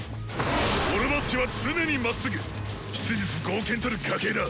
オロバス家は常にまっすぐ質実剛健たる家系だ！